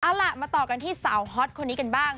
เอาล่ะมาต่อกันที่สาวฮอตคนนี้กันบ้าง